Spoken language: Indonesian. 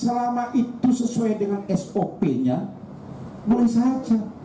selama itu sesuai dengan sop nya boleh saja